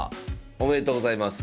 おめでとうございます。